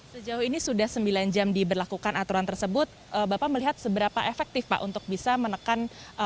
sejauh ini sudah sembilan jam diberlakukan aturan tersebut bapak melihat seberapa efektif pak untuk bisa menekan